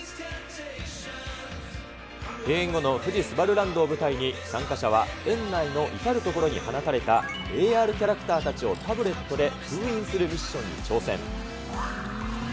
閉園後の富士すばるランドの舞台に参加者は、園内の至る所に放たれたＡＲキャラクターたちをタブレットで封印するミッションに挑戦。